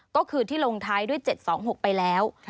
ก็คือที่ลงท้ายด้วย๗๒๖ไปแล้ว